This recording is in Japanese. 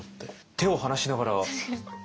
手を離しながらねえ。